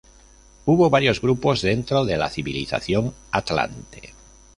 Hubo varios grupos dentro de la civilización Atlante.